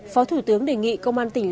phó thủ tướng đề nghị công an tỉnh